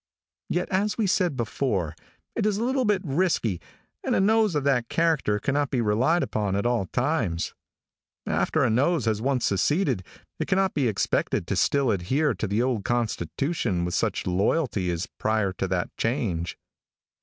Yet, as we said before, it is a little bit risky, and a nose of that character cannot be relied upon at all times. After a nose has once seceded it cannot be expected to still adhere to the old constitution with such loyalty as prior to that change.